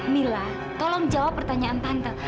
mila tolong jawab pertanyaan tante